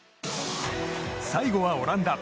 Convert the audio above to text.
最後は、オランダ。